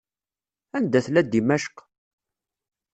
Anda tella Dimecq?